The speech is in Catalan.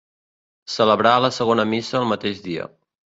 Celebrar la segona missa el mateix dia.